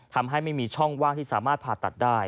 ทำให้ไม่มีช่องว่างที่สามารถผ่าตัดได้